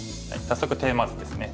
早速テーマ図ですね。